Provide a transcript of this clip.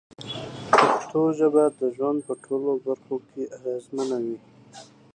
پښتو ژبه د ژوند په ټولو برخو کې اغېزمنه وي.